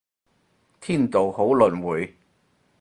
天道好輪迴